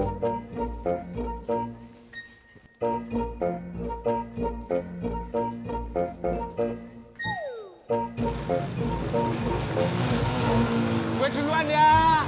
gue duluan ya